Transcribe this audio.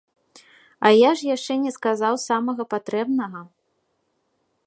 А я ж яшчэ не сказаў самага патрэбнага.